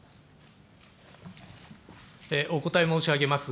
お答え申し上げます。